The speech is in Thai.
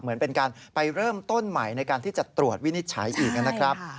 เหมือนเป็นการไปเริ่มต้นใหม่ในการที่จะตรวจวินิจฉัยอีกนะครับ